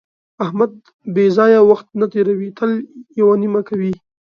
احمد بې ځایه وخت نه تېروي، تل یوه نیمه کوي.